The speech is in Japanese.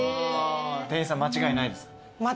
店員さん間違いないですか？